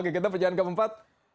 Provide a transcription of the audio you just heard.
oke kita perjalanan keempat